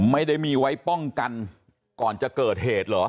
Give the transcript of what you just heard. ไม่ได้มีไว้ป้องกันก่อนจะเกิดเหตุเหรอ